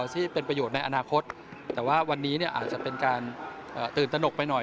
ที่เป็นประโยชน์ในอนาคตแต่ว่าวันนี้อาจจะเป็นการตื่นตนกไปหน่อย